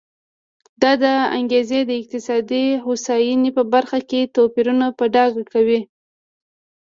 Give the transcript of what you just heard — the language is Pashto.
دا انګېزې د اقتصادي هوساینې په برخه کې توپیرونه په ډاګه کوي.